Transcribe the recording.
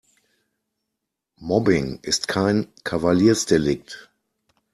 Mobbing ist kein Kavaliersdelikt.